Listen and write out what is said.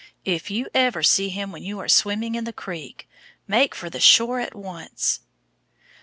"If you ever see him when you are swimming in the creek, make for the shore at once."